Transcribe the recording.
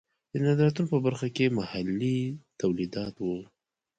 د نندارتون په برخه کې محلي تولیدات و.